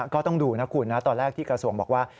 ก็ต้องดูนะคุณนะตอนแรกที่กระทรวงบอกว่า